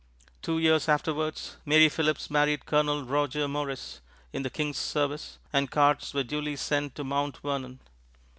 Two years afterwards Mary Philipse married Colonel Roger Morris, in the king's service, and cards were duly sent to Mount Vernon.